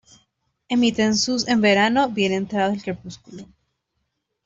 Emiten sus en verano, bien entrado el crepúsculo.